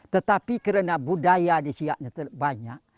tetapi karena budaya di siaknya banyak